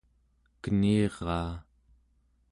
keniraa